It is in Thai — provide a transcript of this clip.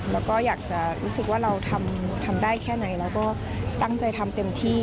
แล้วก็อยากจะรู้สึกว่าเราทำได้แค่ไหนแล้วก็ตั้งใจทำเต็มที่